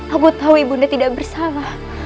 aku tahu ibunda tidak bersalah